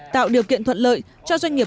tạo điều kiện thuận lợi cho doanh nghiệp